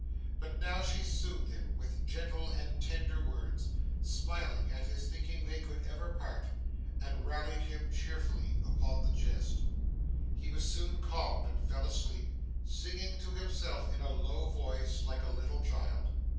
But now she soothed him with gentle and tender words, smiled at his thinking they could ever part, and rallied him cheerfully upon the jest. He was soon calmed and fell asleep, singing to himself in a low voice, like a little child.